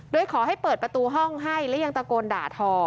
โดยขอให้เปิดประตูห้องให้และยังตะโกนด่าทอ